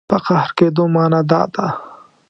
په قهر کېدو معنا دا ده.